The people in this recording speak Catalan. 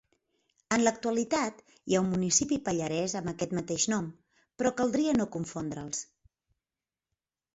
En l'actualitat hi ha un municipi pallarès amb aquest mateix nom, però caldria no confondre'ls.